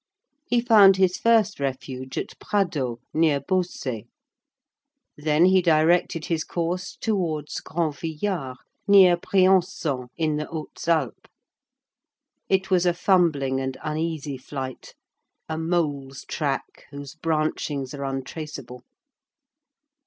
He found his first refuge at Pradeaux, near Beausset. Then he directed his course towards Grand Villard, near Briançon, in the Hautes Alpes. It was a fumbling and uneasy flight,—a mole's track, whose branchings are untraceable.